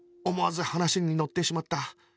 思わず話に乗ってしまった